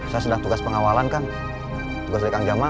saya sedang tugas pengawalan kang tugas dari kang jaman